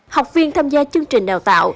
học viên tham gia chương trình đào tạo